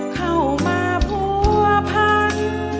เข้ามาผัวพัน